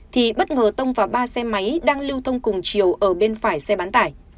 thì bất ngờ tông vào ba xe máy đang lưu thông cùng chiều ở bên phải xe bán tải